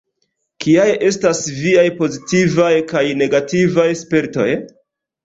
Kiaj estas viaj pozitivaj kaj negativaj spertoj?